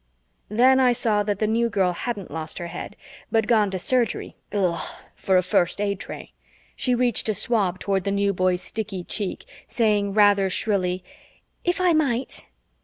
Then I saw that the New Girl hadn't lost her head, but gone to Surgery Ugh! for a first aid tray. She reached a swab toward the New Boy's sticky cheek, saying rather shrilly, "If I might